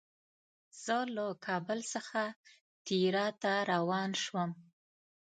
زه له کابل څخه تیراه ته روان شوم.